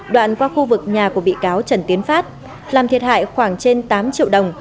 đoạn qua khu vực nhà của bị cáo trần tiến phát làm thiệt hại khoảng trên tám triệu đồng